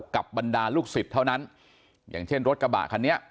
บรรดาลูกศิษย์เท่านั้นอย่างเช่นรถกระบะคันนี้